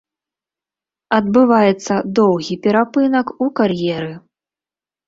Адбываецца доўгі перапынак у кар'еры.